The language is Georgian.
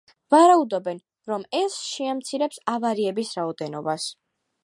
ვარაუდობენ, რომ ეს შეამცირებს ავარიების რაოდენობას.